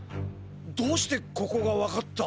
どうしてここが分かった？